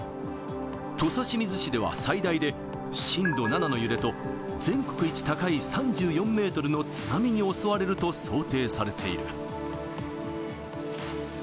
土佐清水市では、最大で震度７の揺れと、全国一高い３４メートルの津波に襲われると想定されている。